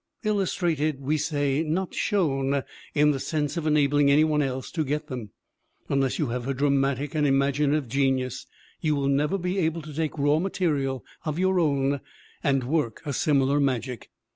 Illustrated, we say, not shown in the sense of enabling any one else to get them. Unless you have her dramatic and imaginative genius you will never be able to take raw material of your own and work a similar magic